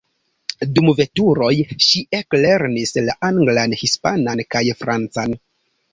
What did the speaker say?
Dum veturoj, ŝi eklernis la anglan, hispanan kaj francan.